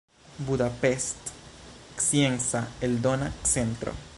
Budapest: Scienca Eldona Centro.